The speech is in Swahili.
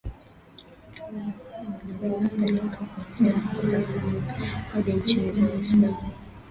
watumwa walipelekwa kwa njia ya misafara hadi nchi za Waislamu